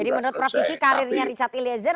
jadi menurut praktiki karirnya richard eliezer